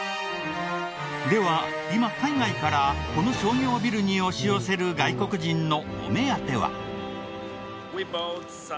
では今海外からこの商業ビルに押し寄せる外国人のお目当ては。